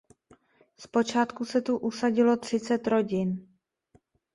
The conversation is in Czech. Zpočátku se tu usadilo třicet rodin.